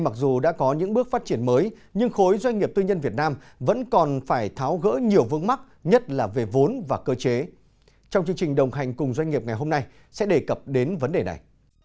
trong chương trình đồng hành cùng doanh nghiệp ngày hôm nay sẽ đề cập đến vấn đề này